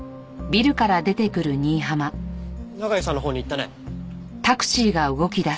永井さんのほうに行ったね。